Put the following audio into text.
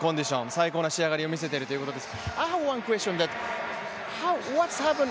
最高の仕上がりを見せているということです。